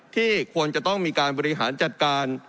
ควรจะต้องมีการบริหารจัดการ